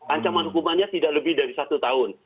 ancaman hukumannya tidak lebih dari satu tahun